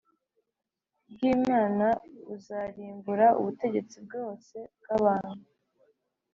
bw Imana buzarimbura ubutegetsi bwose bw abantu